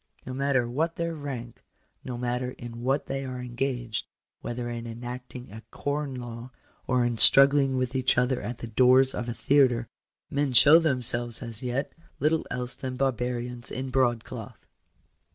No matter what their rank, no * matter in what they are engaged — whether in enacting a Corn J Law, or in struggling with each other at the doors of a theatre ;— men show themselves as yet, little else than barbarians in ■ broadcloth.